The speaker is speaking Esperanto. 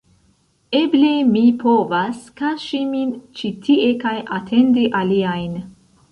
Eble, mi povas kaŝi min ĉi tie kaj atendi aliajn